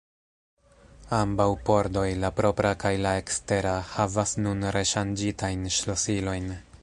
Ambaŭ pordoj, la propra kaj la ekstera, havas nun reŝanĝitajn ŝlosilojn.